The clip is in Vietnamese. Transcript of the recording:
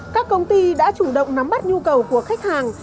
các công ty đã chủ động nắm bắt nhu cầu của khách hàng